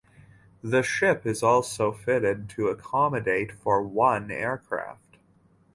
The ship is also fitted to accommodate for one aircraft.